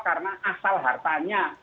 karena asal hartanya